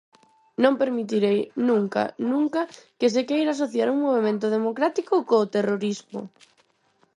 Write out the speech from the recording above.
Non permitirei nunca, nunca, que se queira asociar un movemento democrático co terrorismo.